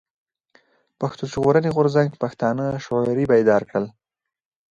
پښتون ژغورني غورځنګ پښتانه شعوري بيدار کړل.